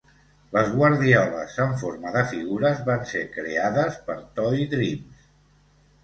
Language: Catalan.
Les guardioles en forma de figures van ser creades per Toy Dreams.